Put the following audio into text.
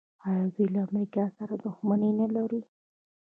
آیا دوی له امریکا سره دښمني نلري؟